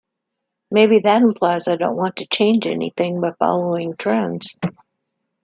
Maybe that implies I don't want to change anything by following trends.